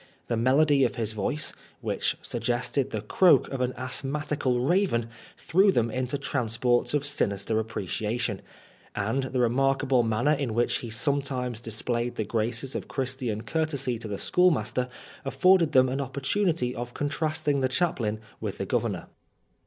The melody of his voice, which suggested the croak of an asthmatical raven, threw them into transports of sinister appreciation ; and the remark able manner in which he sometimes displayed the graces of Christian courtesy to the schoolmaster afforded them an opportunity of contrasting the chap lain with the Governor.